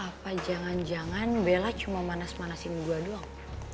apa jangan jangan bella cuma manas manasin gue doang